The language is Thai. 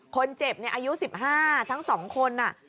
คนเจ็บอายุ๑๕ทั้ง๒คน